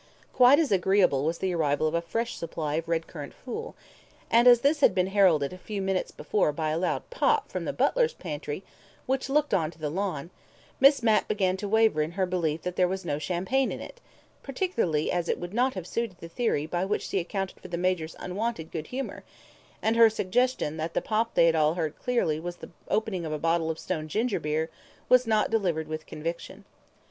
Quite as agreeable was the arrival of a fresh supply of red currant fool, and as this had been heralded a few minutes before by a loud pop from the butler's pantry, which looked on to the lawn, Miss Mapp began to waver in her belief that there was no champagne in it, particularly as it would not have suited the theory by which she accounted for the Major's unwonted good humour, and her suggestion that the pop they had all heard so clearly was the opening of a bottle of stone ginger beer was not delivered with conviction.